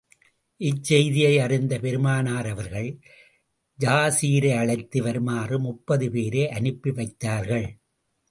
இச்செய்தியை அறிந்த பெருமானார் அவர்கள், யாஸிரை அழைத்து வருமாறு முப்பது பேரை அனுப்பி வைத்தார்கள்.